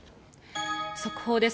速報です。